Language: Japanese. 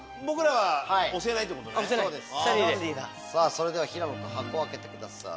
それでは平野君箱を開けてください。